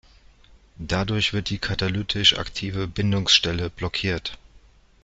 Dadurch wird die katalytisch aktive Bindungsstelle blockiert.